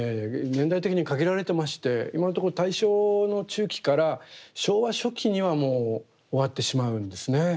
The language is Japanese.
年代的に限られてまして今のところ大正の中期から昭和初期にはもう終わってしまうんですね。